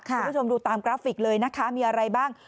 คุณผู้ชมดูตามกราฟิกเลยนะคะมีอะไรบ้าง